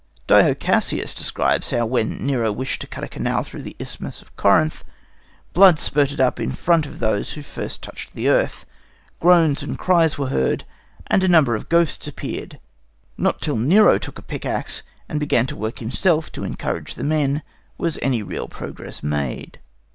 Dio Cassius describes how, when Nero wished to cut a canal through the Isthmus of Corinth, blood spurted up in front of those who first touched the earth, groans and cries were heard, and a number of ghosts appeared. Not till Nero took a pickaxe and began to work himself, to encourage the men, was any real progress made.